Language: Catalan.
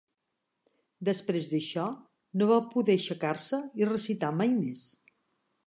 Després d'això, no va poder aixecar-se i recitar mai més.